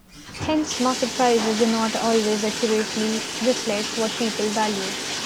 Hence market prices do not always accurately reflect what people value.